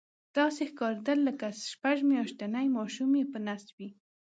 داسې ښکارېدل لکه شپږ میاشتنی ماشوم یې په نس وي.